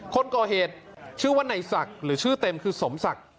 คนก่อเหตุชื่อว่าในศักดิ์หรือชื่อเต็มคือสมศักดิ์